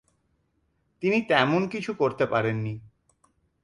তিনি তেমন কিছু করতে পারেননি।